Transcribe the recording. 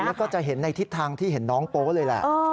แล้วก็จะเห็นในทิศทางที่เห็นน้องโป๊เลยแหละ